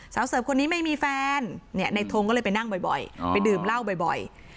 เสิร์ฟคนนี้ไม่มีแฟนในทงก็เลยไปนั่งบ่อยไปดื่มเหล้าบ่อย